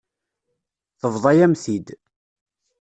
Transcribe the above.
Tebḍa-yam-t-id.